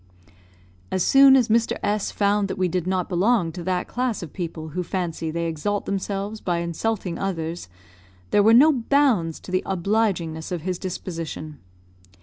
As soon as Mr. S found that we did not belong to that class of people who fancy they exalt themselves by insulting others, there were no bounds to the obligingness of his disposition.